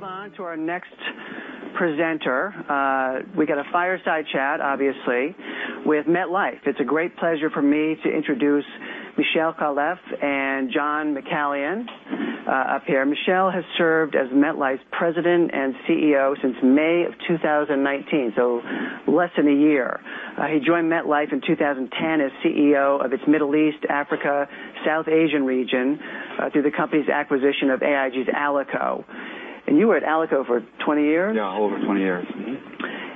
Move on to our next presenter. We got a fireside chat, obviously, with MetLife. It's a great pleasure for me to introduce Michel Khalaf and John McCallion up here. Michel has served as MetLife's President and CEO since May of 2019, so less than a year. He joined MetLife in 2010 as CEO of its Middle East, Africa, South Asian region through the company's acquisition of AIG's Alico. You were at Alico for 20 years? Yeah, a little over 20 years.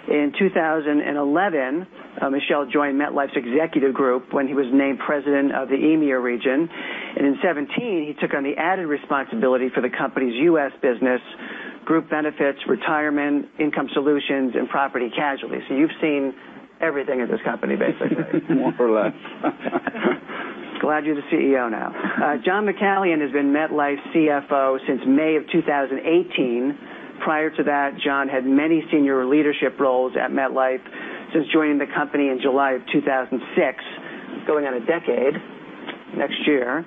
In 2011, Michel joined MetLife's executive group when he was named president of the EMEA region. In 2017, he took on the added responsibility for the company's U.S. business, group benefits, Retirement and Income Solutions, and property casualty. You've seen everything in this company, basically. More or less. Glad you're the CEO now. John McCallion has been MetLife CFO since May of 2018. Prior to that, John had many senior leadership roles at MetLife since joining the company in July of 2006, going on a decade next year.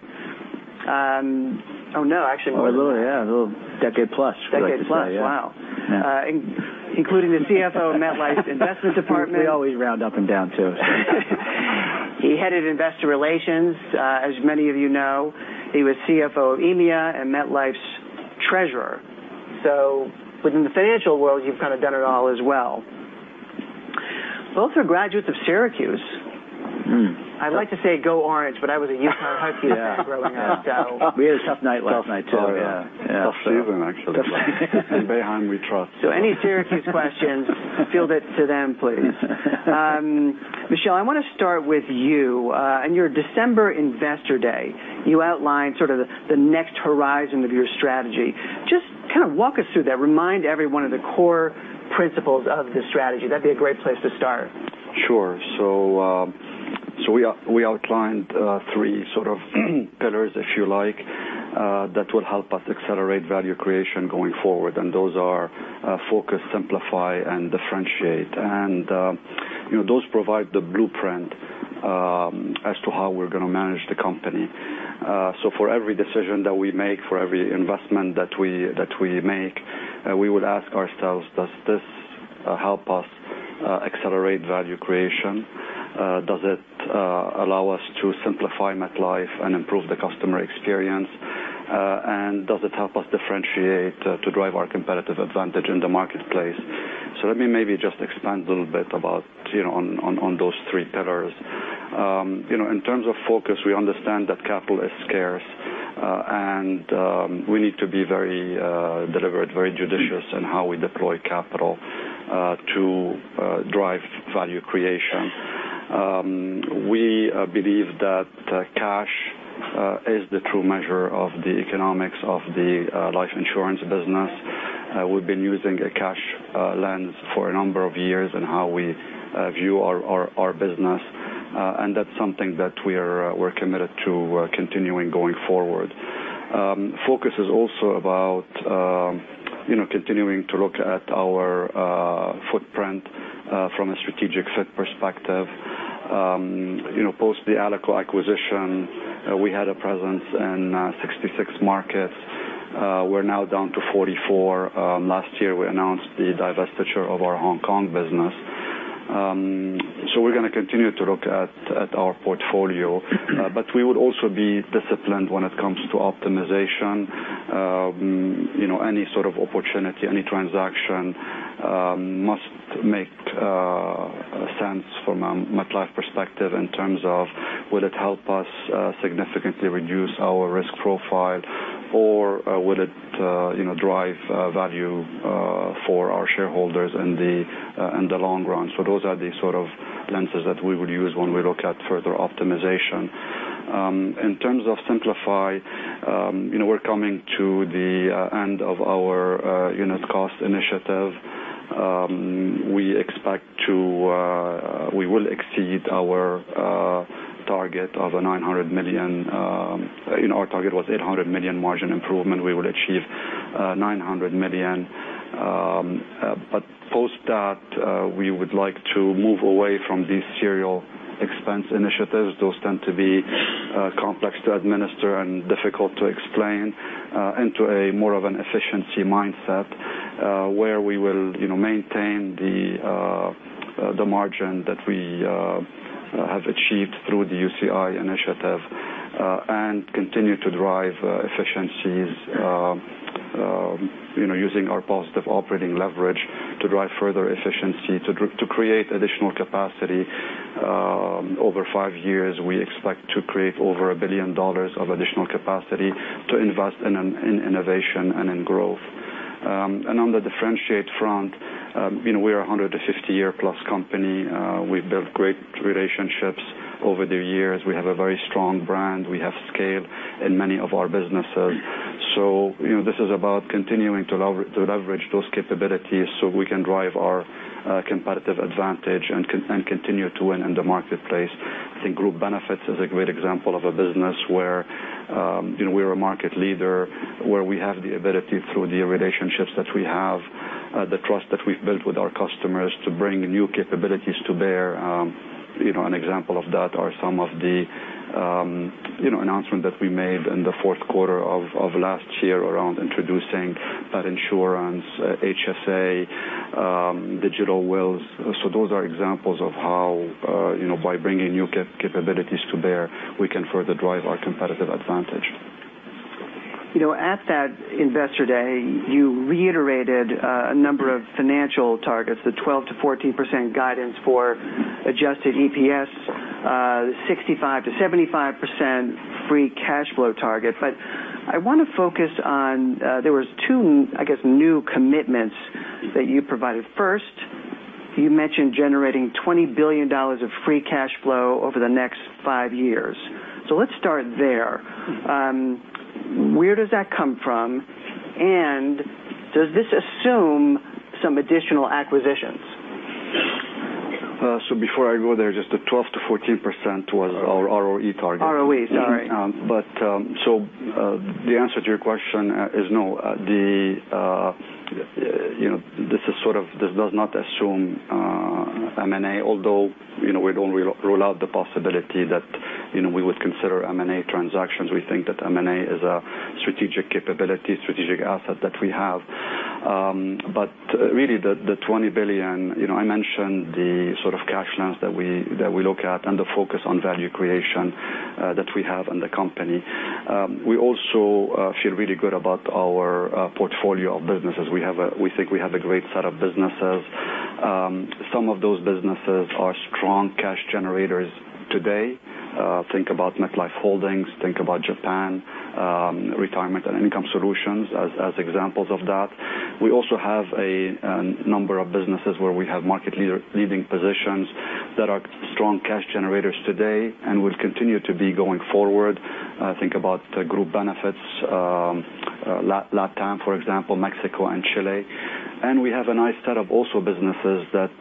No, actually A little, yeah, decade plus we like to say. Decade plus. Wow. Yeah. Including the CFO of MetLife's investment department. We always round up and down, too. He headed investor relations. As many of you know, he was CFO of EMEA and MetLife's treasurer. Within the financial world, you've kind of done it all as well. Both are graduates of Syracuse. I'd like to say go Orange, but I was a UConn Husky. Yeah. growing up, so. We had a tough night last night too. Oh, yeah. Yeah. Tough evening, actually. In Bay Hong we trust. Any Syracuse questions, field it to them, please. Michel, I want to start with you. In your December investor day, you outlined sort of the next horizon of your strategy. Just kind of walk us through that. Remind everyone of the core principles of this strategy. That'd be a great place to start. Sure. We outlined three sort of pillars, if you like, that will help us accelerate value creation going forward, and those are focus, simplify, and differentiate. Those provide the blueprint as to how we're going to manage the company. For every decision that we make, for every investment that we make, we would ask ourselves, does this help us accelerate value creation? Does it allow us to simplify MetLife and improve the customer experience? Does it help us differentiate to drive our competitive advantage in the marketplace? Let me maybe just expand a little bit about on those three pillars. In terms of focus, we understand that capital is scarce, and we need to be very deliberate, very judicious in how we deploy capital to drive value creation. We believe that cash is the true measure of the economics of the life insurance business. We've been using a cash lens for a number of years in how we view our business, and that's something that we're committed to continuing going forward. Focus is also about continuing to look at our footprint from a strategic fit perspective. Post the Alico acquisition, we had a presence in 66 markets. We're now down to 44. Last year, we announced the divestiture of our Hong Kong business. We're going to continue to look at our portfolio, but we would also be disciplined when it comes to optimization. Any sort of opportunity, any transaction must make sense from a MetLife perspective in terms of will it help us significantly reduce our risk profile or will it drive value for our shareholders in the long run. Those are the sort of lenses that we would use when we look at further optimization. In terms of simplify, we're coming to the end of our unit cost initiative. We will exceed our target of a $900 million. Our target was $800 million margin improvement. We will achieve $900 million. Post that, we would like to move away from these serial expense initiatives, those tend to be complex to administer and difficult to explain, into a more of an efficiency mindset where we will maintain the margin that we have achieved through the UCI initiative and continue to drive efficiencies using our positive operating leverage to drive further efficiency to create additional capacity. Over five years, we expect to create over $1 billion of additional capacity to invest in innovation and in growth. On the differentiate front, we're a 150-year-plus company. We've built great relationships over the years. We have a very strong brand. We have scale in many of our businesses. This is about continuing to leverage those capabilities so we can drive our competitive advantage and continue to win in the marketplace. I think group benefits is a great example of a business where we're a market leader, where we have the ability through the relationships that we have, the trust that we've built with our customers, to bring new capabilities to bear. An example of that are some of the announcement that we made in the fourth quarter of last year around introducing pet insurance, HSA, digital wills. Those are examples of how by bringing new capabilities to bear, we can further drive our competitive advantage. At that Investor Day, you reiterated a number of financial targets, the 12%-14% guidance for adjusted EPS, 65%-75% free cash flow target. I want to focus on, there was two, I guess, new commitments that you provided. First, you mentioned generating $20 billion of free cash flow over the next five years. Let's start there. Where does that come from, and does this assume some additional acquisitions? Before I go there, just the 12%-14% was our ROE target. ROE, sorry. The answer to your question is no. This does not assume M&A, although we don't rule out the possibility that we would consider M&A transactions. We think that M&A is a strategic capability, strategic asset that we have. Really the $20 billion, I mentioned the sort of cash flows that we look at, and the focus on value creation that we have in the company. We also feel really good about our portfolio of businesses. We think we have a great set of businesses. Some of those businesses are strong cash generators today. Think about MetLife Holdings. Think about Japan Retirement and Income Solutions as examples of that. We also have a number of businesses where we have market leading positions that are strong cash generators today and will continue to be going forward. Think about group benefits, LATAM, for example, Mexico and Chile. We have a nice set of also businesses that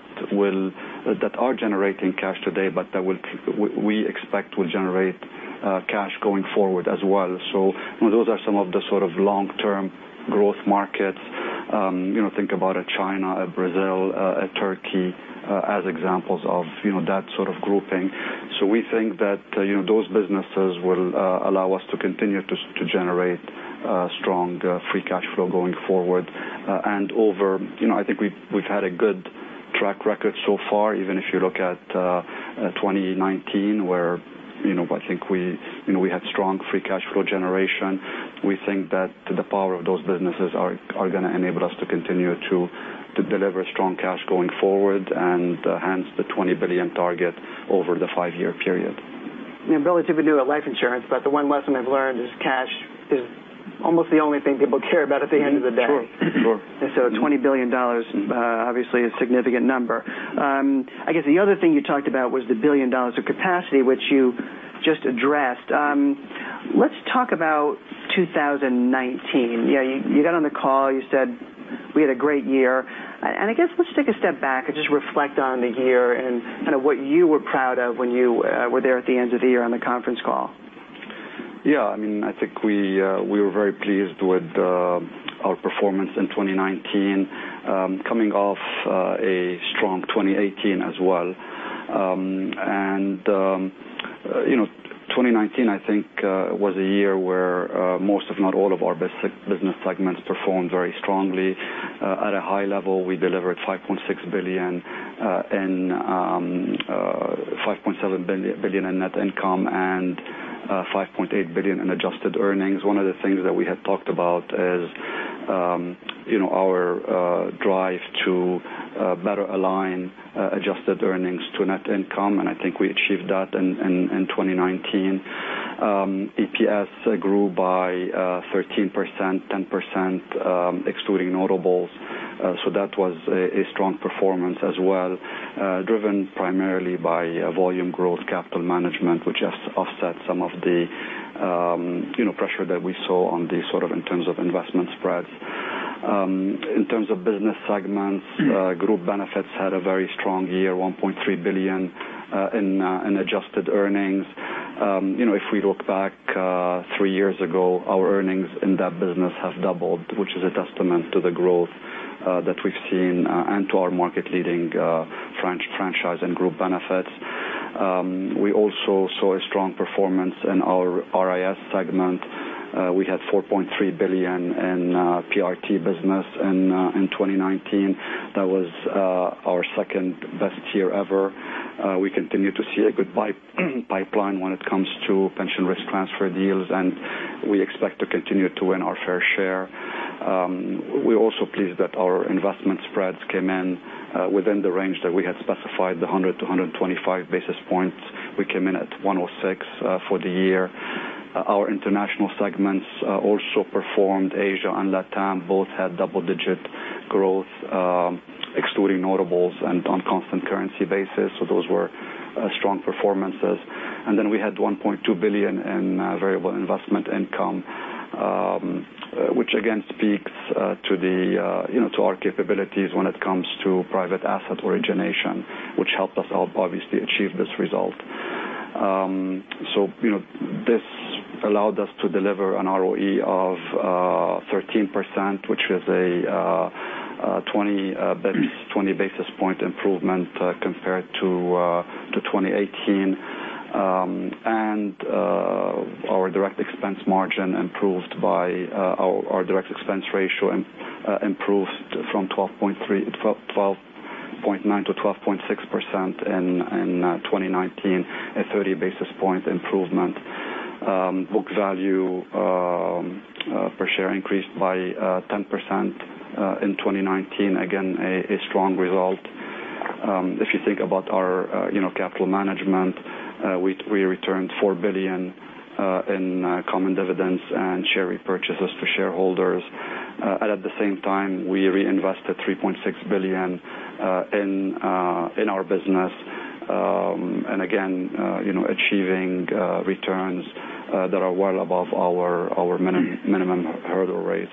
are generating cash today, but that we expect will generate cash going forward as well. Those are some of the sort of long-term growth markets. Think about China, Brazil, Turkey as examples of that sort of grouping. We think that those businesses will allow us to continue to generate strong free cash flow going forward. I think we've had a good track record so far, even if you look at 2019, where I think we had strong free cash flow generation. We think that the power of those businesses are going to enable us to continue to deliver strong cash going forward, and hence the $20 billion target over the five-year period. The ability to do life insurance. The one lesson I've learned is cash is almost the only thing people care about at the end of the day. Sure. $20 billion, obviously, a significant number. I guess the other thing you talked about was the billion dollars of capacity, which you just addressed. Let's talk about 2019. You got on the call, you said we had a great year. I guess let's take a step back and just reflect on the year and kind of what you were proud of when you were there at the end of the year on the conference call. Yeah, I think we were very pleased with our performance in 2019, coming off a strong 2018 as well. 2019, I think was a year where most, if not all of our business segments performed very strongly. At a high level, we delivered $5.7 billion in net income and $5.8 billion in adjusted earnings. One of the things that we had talked about is our drive to better align adjusted earnings to net income. I think we achieved that in 2019. EPS grew by 13%, 10% excluding notables. That was a strong performance as well, driven primarily by volume growth, capital management, which has offset some of the pressure that we saw in terms of investment spreads. In terms of business segments, group benefits had a very strong year, $1.3 billion in adjusted earnings. If we look back three years ago, our earnings in that business have doubled, which is a testament to the growth that we've seen and to our market-leading franchise and group benefits. We also saw a strong performance in our RIS segment. We had $4.3 billion in PRT business in 2019. That was our second-best year ever. We continue to see a good pipeline when it comes to pension risk transfer deals. We expect to continue to win our fair share. We're also pleased that our investment spreads came in within the range that we had specified, the 100 to 125 basis points. We came in at 106 for the year. Our international segments also performed. Asia and LATAM both had double-digit growth, excluding notables and on a constant currency basis. Those were strong performances. We had $1.2 billion in variable investment income, which again speaks to our capabilities when it comes to private asset origination, which helped us obviously achieve this result. This allowed us to deliver an ROE of 13%, which is a 20 basis point improvement compared to 2018. Our direct expense ratio improved from 12.9%-12.6% in 2019, a 30 basis point improvement. Book value per share increased by 10% in 2019. Again, a strong result. If you think about our capital management, we returned $4 billion in common dividends and share repurchases for shareholders. At the same time, we reinvested $3.6 billion in our business. Again achieving returns that are well above our minimum hurdle rates.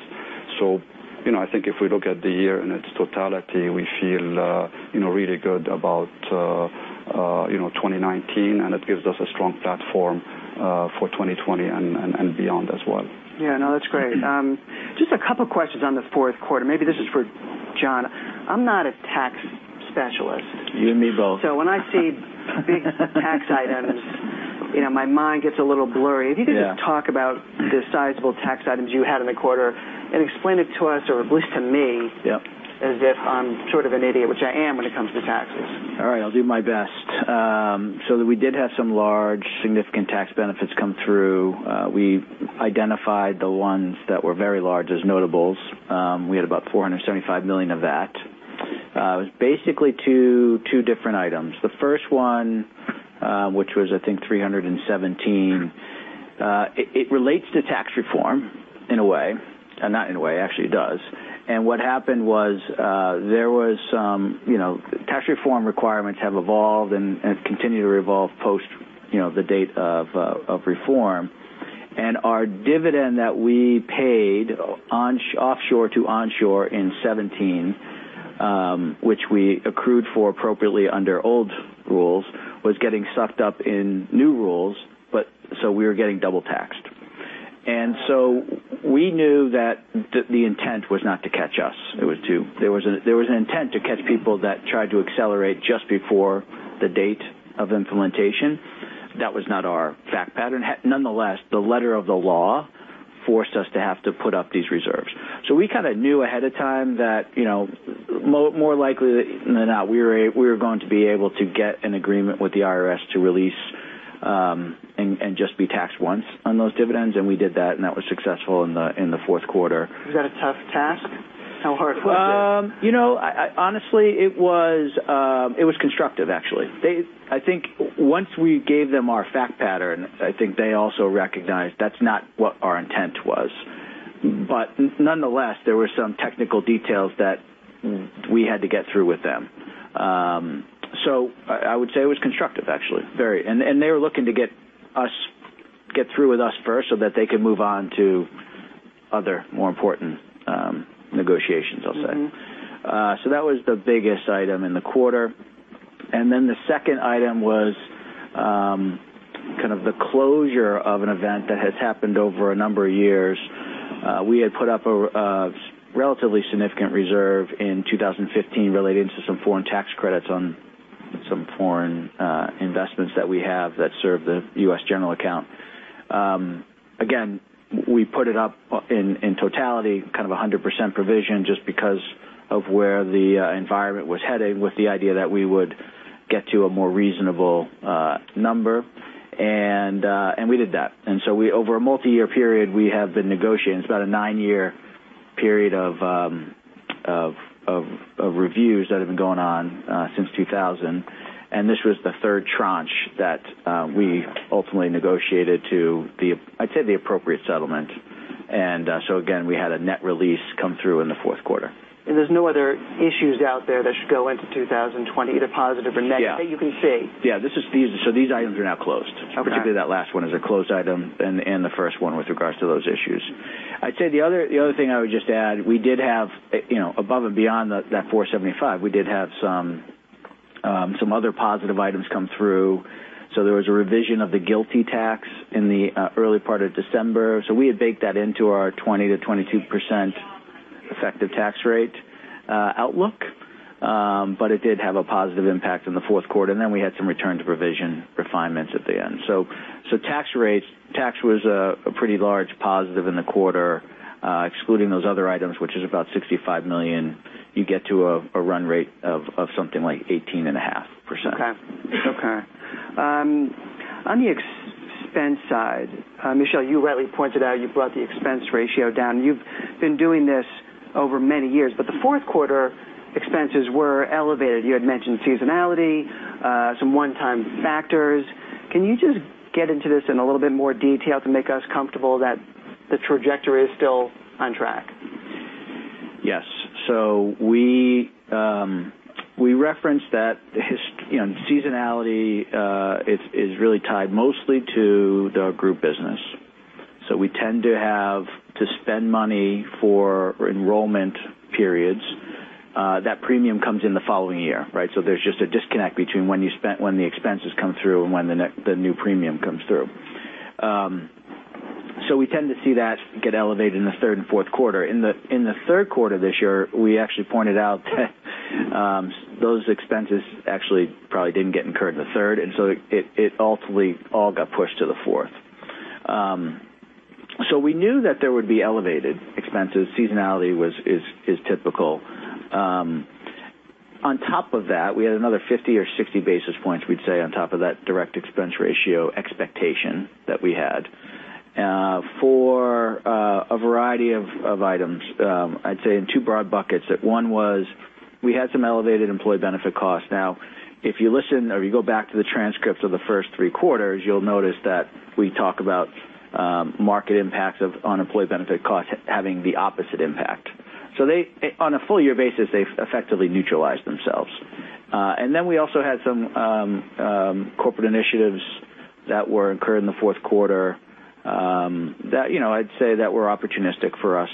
I think if we look at the year in its totality, we feel really good about 2019, it gives us a strong platform for 2020 and beyond as well. Yeah, no, that's great. Just a couple questions on the fourth quarter. Maybe this is for John. I'm not a tax specialist. You and me both. When I see big tax items, my mind gets a little blurry. Yeah. If you could just talk about the sizable tax items you had in the quarter and explain it to us, or at least to me. Yep as if I'm sort of an idiot, which I am when it comes to taxes. All right, I'll do my best. We did have some large, significant tax benefits come through. We identified the ones that were very large as notables. We had about $475 million of that. It was basically two different items. The first one, which was, I think, $317, it relates to tax reform in a way, and not in a way, it actually does. What happened was there was tax reform requirements have evolved and have continued to evolve post the date of reform. Our dividend that we paid offshore to onshore in 2017, which we accrued for appropriately under old rules, was getting sucked up in new rules, so we were getting double taxed. We knew that the intent was not to catch us. There was an intent to catch people that tried to accelerate just before the date of implementation. That was not our fact pattern. Nonetheless, the letter of the law forced us to have to put up these reserves. We kind of knew ahead of time that more likely than not, we were going to be able to get an agreement with the IRS to release and just be taxed once on those dividends. We did that, and that was successful in the fourth quarter. Was that a tough task? How hard was it? Honestly, it was constructive, actually. I think once we gave them our fact pattern, I think they also recognized that's not what our intent was. Nonetheless, there were some technical details that we had to get through with them. I would say it was constructive, actually. Very. They were looking to get through with us first so that they could move on to other more important negotiations, I'll say. That was the biggest item in the quarter. The second item was kind of the closure of an event that has happened over a number of years. We had put up a relatively significant reserve in 2015 relating to some foreign tax credits on some foreign investments that we have that serve the U.S. general account. Again, we put it up in totality, kind of 100% provision, just because of where the environment was headed, with the idea that we would get to a more reasonable number. We did that. Over a multi-year period, we have been negotiating. It's about a nine-year period of reviews that have been going on since 2000. This was the third tranche that we ultimately negotiated to the, I'd say, the appropriate settlement. Again, we had a net release come through in the fourth quarter. There's no other issues out there that should go into 2020, either positive or negative. Yeah That you can see? Yeah. These items are now closed. Okay. Particularly that last one is a closed item, and the first one with regards to those issues. I'd say the other thing I would just add, we did have above and beyond that $475, we did have some other positive items come through. There was a revision of the GILTI tax in the early part of December. We had baked that into our 20%-22% effective tax rate outlook. It did have a positive impact in the fourth quarter. We had some return to provision refinements at the end. Tax rates, tax was a pretty large positive in the quarter. Excluding those other items, which is about $65 million, you get to a run rate of something like 18.5%. Okay. On the expense side, Michel, you rightly pointed out you brought the expense ratio down. You've been doing this over many years, but the fourth quarter expenses were elevated. You had mentioned seasonality, some one-time factors. Can you just get into this in a little bit more detail to make us comfortable that the trajectory is still on track? Yes. We referenced that seasonality is really tied mostly to the group business. We tend to spend money for enrollment periods. That premium comes in the following year. There's just a disconnect between when the expenses come through and when the new premium comes through. We tend to see that get elevated in the third and fourth quarter. In the third quarter this year, we actually pointed out that those expenses actually probably didn't get incurred in the third, and it ultimately all got pushed to the fourth. We knew that there would be elevated expenses. Seasonality is typical. On top of that, we had another 50 or 60 basis points, we'd say, on top of that direct expense ratio expectation that we had for a variety of items. I'd say in two broad buckets. One was we had some elevated employee benefit costs. Now, if you listen or you go back to the transcripts of the first three quarters, you'll notice that we talk about market impacts of on employee benefit costs having the opposite impact. On a full year basis, they've effectively neutralized themselves. We also had some corporate initiatives that were incurred in the fourth quarter, that I'd say that were opportunistic for us.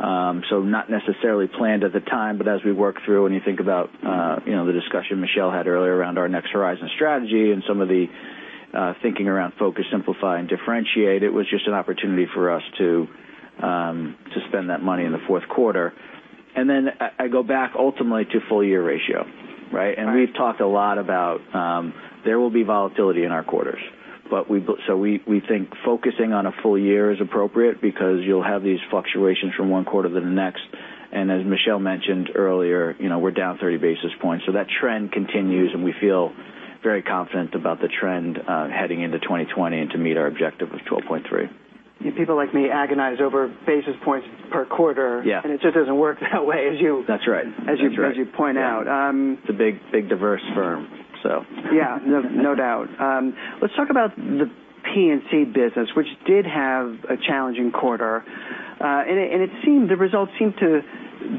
Not necessarily planned at the time, but as we work through, when you think about the discussion Michel had earlier around our next horizon strategy and some of the thinking around focus, simplify, and differentiate, it was just an opportunity for us to spend that money in the fourth quarter. I go back ultimately to full year ratio, right? Right. We've talked a lot about there will be volatility in our quarters. We think focusing on a full year is appropriate because you'll have these fluctuations from one quarter to the next. As Michel mentioned earlier, we're down 30 basis points. That trend continues, and we feel very confident about the trend heading into 2020 and to meet our objective of 12.3. People like me agonize over basis points per quarter. Yeah. It just doesn't work that way as you. That's right. As you point out. It's a big, diverse firm. Yeah. No doubt. Let's talk about the P&C business, which did have a challenging quarter. The results seem to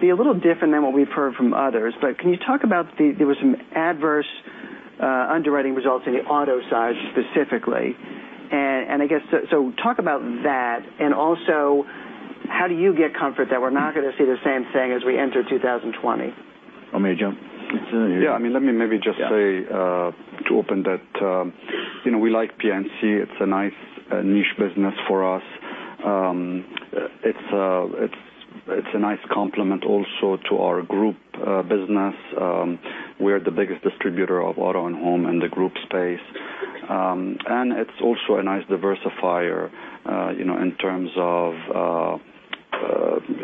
be a little different than what we've heard from others. Can you talk about there was some adverse underwriting results in the auto side specifically. Talk about that and also how do you get comfort that we're not going to see the same thing as we enter 2020? You want me to jump? Yeah. Let me maybe just say to open that we like P&C. It's a nice niche business for us. It's a nice complement also to our group business. We're the biggest distributor of auto and home in the group space. It's also a nice diversifier in terms of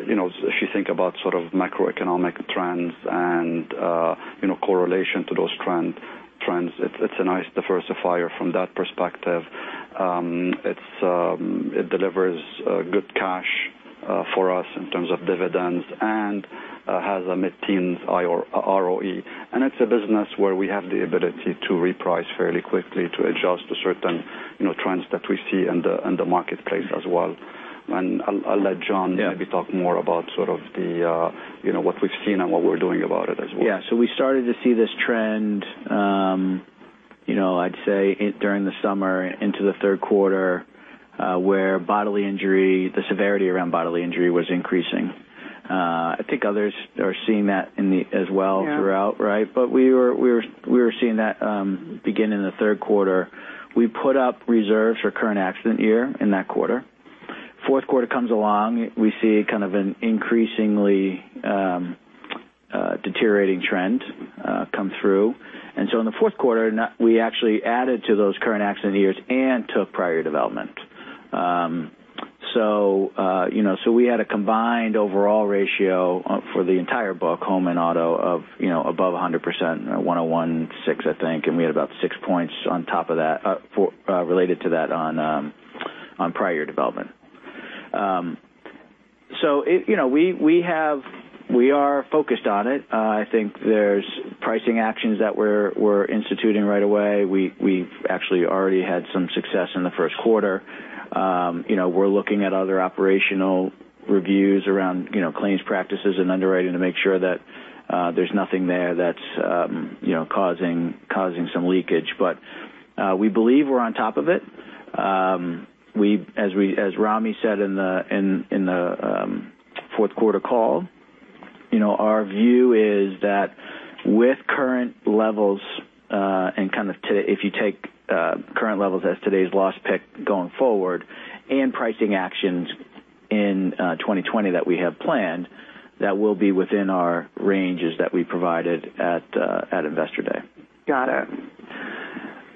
if you think about macroeconomic trends and correlation to those trends. It's a nice diversifier from that perspective. It delivers good cash for us in terms of dividends and has a mid-teens ROE. It's a business where we have the ability to reprice fairly quickly to adjust to certain trends that we see in the marketplace as well. I'll let John maybe talk more about what we've seen and what we're doing about it as well. Yeah. We started to see this trend I'd say during the summer into the third quarter, where the severity around bodily injury was increasing. I think others are seeing that as well throughout. Yeah. We were seeing that begin in the third quarter. We put up reserves for current accident year in that quarter. Fourth quarter comes along, we see kind of an increasingly deteriorating trend come through. In the fourth quarter, we actually added to those current accident years and took prior development. We had a combined overall ratio for the entire book, home and auto, of above 100%, 101.6, I think, and we had about six points related to that on prior development. We are focused on it. I think there's pricing actions that we're instituting right away. We've actually already had some success in the first quarter. We're looking at other operational reviews around claims practices and underwriting to make sure that there's nothing there that's causing some leakage. We believe we're on top of it. As Ramy said in the fourth quarter call, our view is that if you take current levels as today's loss pick going forward and pricing actions in 2020 that we have planned, that we'll be within our ranges that we provided at Investor Day. Got it.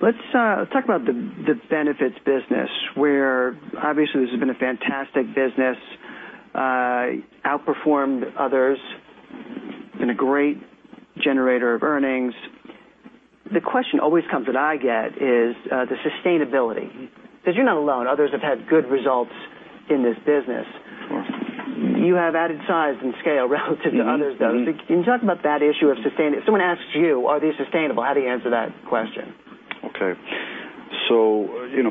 Let's talk about the benefits business where obviously this has been a fantastic business, outperformed others, been a great generator of earnings. The question always comes that I get is the sustainability, because you're not alone. Others have had good results in this business. Yes. You have added size and scale relative to others, though. Can you talk about that issue of sustainability? If someone asks you, are these sustainable? How do you answer that question? Okay.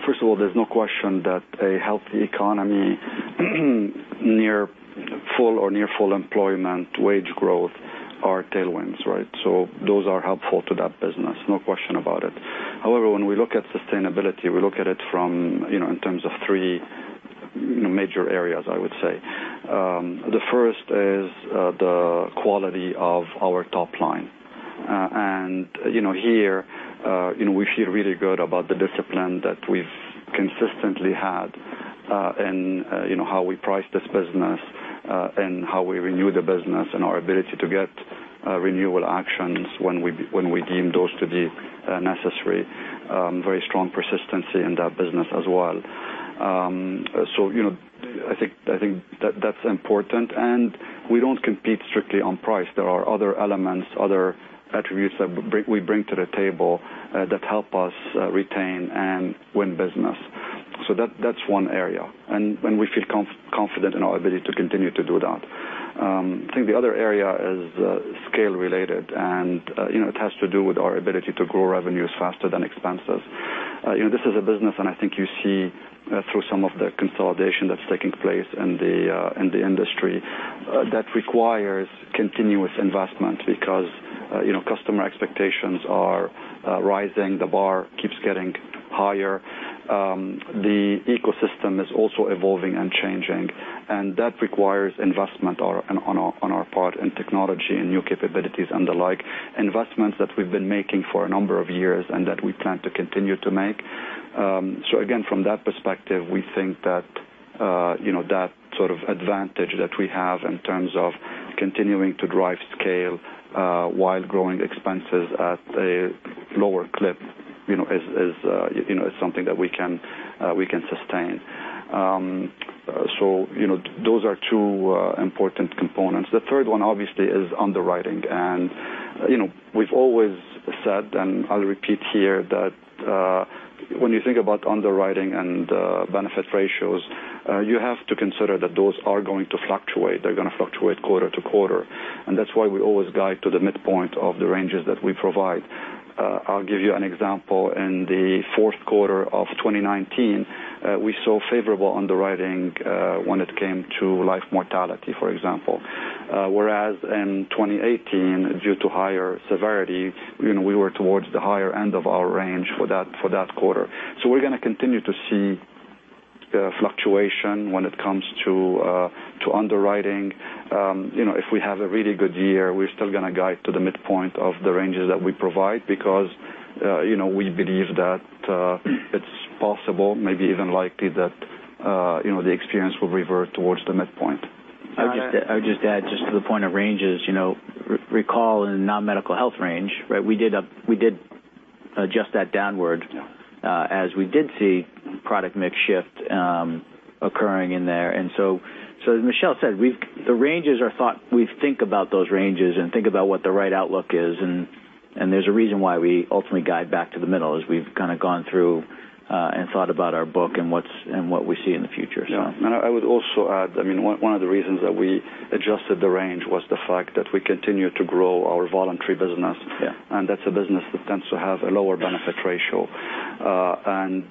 First of all, there's no question that a healthy economy near full or near full employment wage growth are tailwinds, right? Those are helpful to that business, no question about it. However, when we look at sustainability, we look at it in terms of three major areas, I would say. The first is the quality of our top line. Here, we feel really good about the discipline that we've consistently had in how we price this business, and how we renew the business, and our ability to get renewal actions when we deem those to be necessary. Very strong persistency in that business as well. I think that's important, and we don't compete strictly on price. There are other elements, other attributes that we bring to the table that help us retain and win business. That's one area, and we feel confident in our ability to continue to do that. I think the other area is scale related, and it has to do with our ability to grow revenues faster than expenses. This is a business, and I think you see through some of the consolidation that's taking place in the industry that requires continuous investment because customer expectations are rising. The bar keeps getting higher. The ecosystem is also evolving and changing, and that requires investment on our part in technology and new capabilities and the like, investments that we've been making for a number of years and that we plan to continue to make. Again, from that perspective, we think that sort of advantage that we have in terms of continuing to drive scale while growing expenses at a lower clip is something that we can sustain. Those are two important components. The third one, obviously, is underwriting. We've always said, and I'll repeat here, that when you think about underwriting and benefit ratios, you have to consider that those are going to fluctuate. They're going to fluctuate quarter to quarter, and that's why we always guide to the midpoint of the ranges that we provide. I'll give you an example. In the fourth quarter of 2019, we saw favorable underwriting when it came to life mortality, for example. Whereas in 2018, due to higher severity, we were towards the higher end of our range for that quarter. We're going to continue to see fluctuation when it comes to underwriting. If we have a really good year, we're still going to guide to the midpoint of the ranges that we provide because we believe that it's possible, maybe even likely that the experience will revert towards the midpoint. I would just add just to the point of ranges, recall in non-medical health range, we did adjust that downward as we did see product mix shift occurring in there. As Michel said, we think about those ranges and think about what the right outlook is, there's a reason why we ultimately guide back to the middle as we've kind of gone through and thought about our book and what we see in the future. I would also add, one of the reasons that we adjusted the range was the fact that we continue to grow our voluntary business. Yeah. That's a business that tends to have a lower benefit ratio.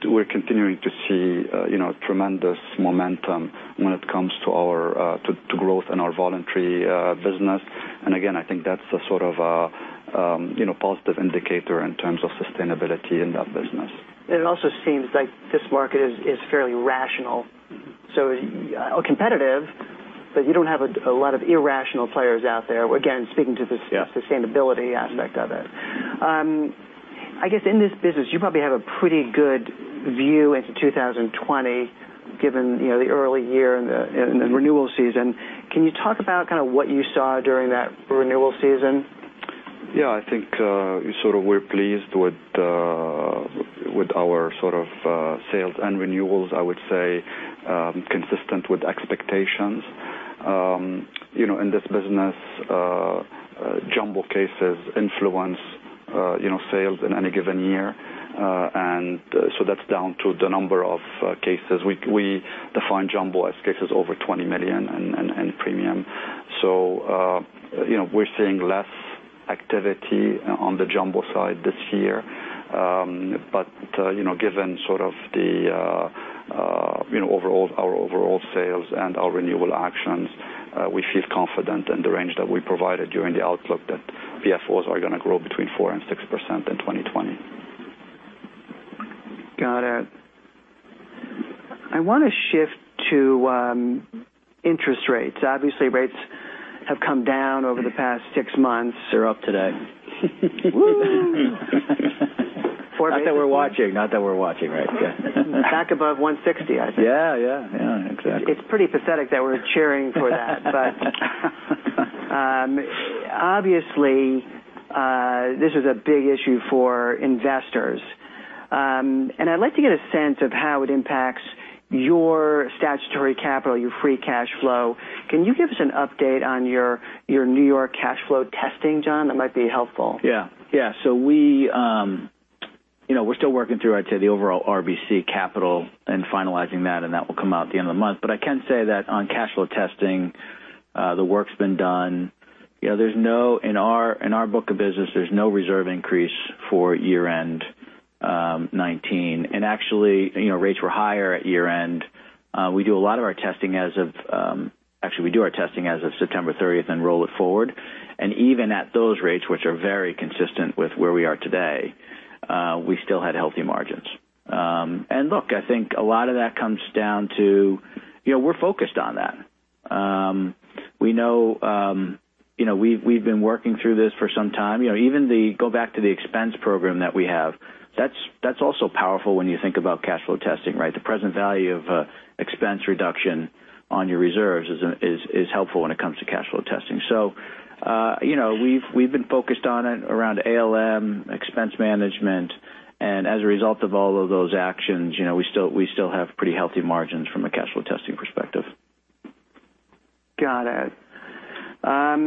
We're continuing to see tremendous momentum when it comes to growth in our voluntary business. Again, I think that's the sort of a positive indicator in terms of sustainability in that business. It also seems like this market is fairly rational. Competitive, but you don't have a lot of irrational players out there. Again, speaking to. Yeah sustainability aspect of it. I guess in this business, you probably have a pretty good view into 2020 given the early year and the renewal season. Can you talk about kind of what you saw during that renewal season? Yeah, I think sort of we're pleased with our sort of sales and renewals, I would say, consistent with expectations. In this business, jumbo cases influence sales in any given year. That's down to the number of cases. We define jumbo as cases over $20 million in premium. We're seeing less activity on the jumbo side this year. Given sort of our overall sales and our renewal actions, we feel confident in the range that we provided during the outlook that PFOs are going to grow between 4% and 6% in 2020. Got it. I want to shift to interest rates. Obviously, rates have come down over the past six months. They're up today. Whoo. Not that we're watching. Back above 160, I think. Yeah. Exactly. It's pretty pathetic that we're cheering for that, obviously, this is a big issue for investors. I'd like to get a sense of how it impacts your statutory capital, your free cash flow. Can you give us an update on your N.Y. cash flow testing, John? That might be helpful. Yeah. We're still working through, I'd say, the overall RBC capital and finalizing that, and that will come out at the end of the month. I can say that on cash flow testing, the work's been done. In our book of business, there's no reserve increase for year-end 2019. Actually, rates were higher at year-end. Actually, we do our testing as of September 30th, roll it forward. Even at those rates, which are very consistent with where we are today, we still had healthy margins. Look, I think a lot of that comes down to we're focused on that. We've been working through this for some time. Even the go back to the expense program that we have, that's also powerful when you think about cash flow testing, right? The present value of expense reduction on your reserves is helpful when it comes to cash flow testing. We've been focused on it around ALM expense management. As a result of all of those actions, we still have pretty healthy margins from a cash flow testing perspective. Got it. I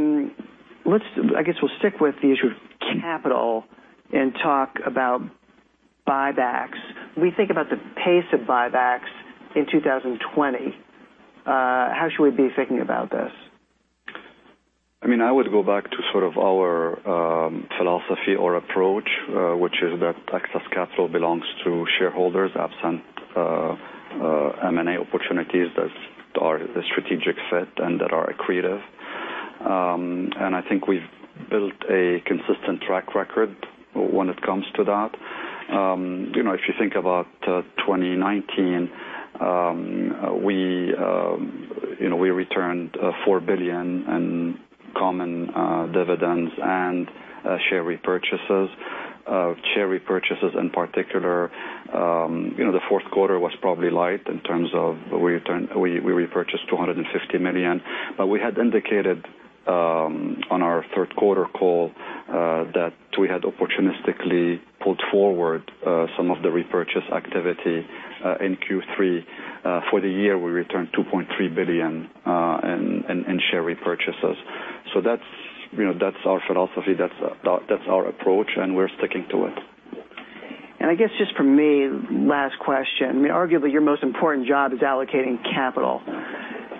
guess we'll stick with the issue of capital and talk about buybacks. We think about the pace of buybacks in 2020. How should we be thinking about this? I would go back to sort of our philosophy or approach, which is that excess capital belongs to shareholders, absent M&A opportunities that are a strategic fit and that are accretive. I think we've built a consistent track record when it comes to that. If you think about 2019, we returned $4 billion in common dividends and share repurchases. Share repurchases in particular, the fourth quarter was probably light in terms of we repurchased $250 million. We had indicated on our third-quarter call that we had opportunistically pulled forward some of the repurchase activity in Q3. For the year, we returned $2.3 billion in share repurchases. That's our philosophy, that's our approach, and we're sticking to it. I guess just for me, last question. Arguably, your most important job is allocating capital,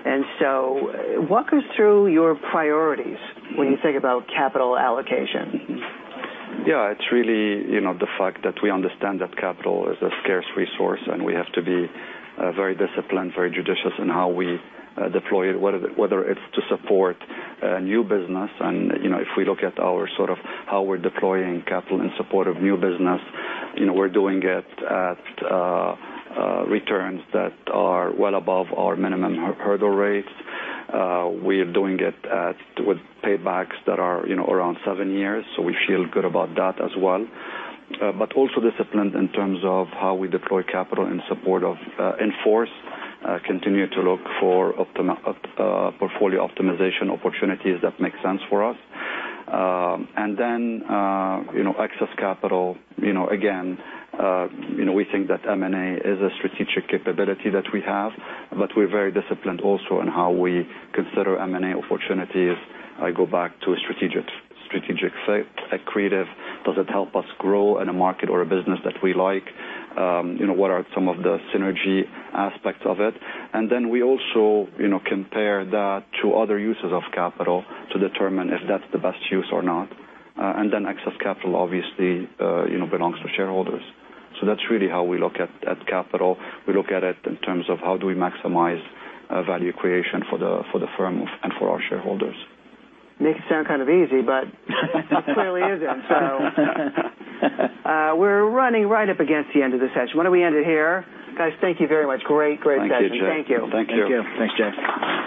and so what goes through your priorities when you think about capital allocation? Yeah, it's really the fact that we understand that capital is a scarce resource, and we have to be very disciplined, very judicious in how we deploy it, whether it's to support new business. If we look at how we're deploying capital in support of new business, we're doing it at returns that are well above our minimum hurdle rates. We're doing it with paybacks that are around seven years, so we feel good about that as well. Also disciplined in terms of how we deploy capital in force, continue to look for portfolio optimization opportunities that make sense for us. Then excess capital, again, we think that M&A is a strategic capability that we have, but we're very disciplined also in how we consider M&A opportunities. I go back to a strategic fit, accretive. Does it help us grow in a market or a business that we like? What are some of the synergy aspects of it? We also compare that to other uses of capital to determine if that's the best use or not. Excess capital obviously belongs to shareholders. That's really how we look at capital. We look at it in terms of how do we maximize value creation for the firm and for our shareholders. You make it sound kind of easy, it clearly isn't. We're running right up against the end of the session. Why don't we end it here? Guys, thank you very much. Great session. Thank you, Jay. Thank you. Thank you. Thanks, Jay.